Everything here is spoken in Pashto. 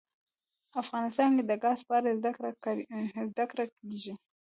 افغانستان کې د ګاز په اړه زده کړه کېږي.